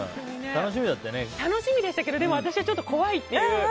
楽しみでしたけど私はちょっと怖いっていう。